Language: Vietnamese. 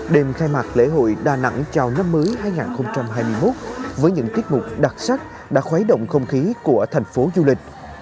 đêm khai mạc lễ hội đà nẵng chào năm mới hai nghìn hai mươi một với những tiết mục đặc sắc đã khuấy động không khí của thành phố du lịch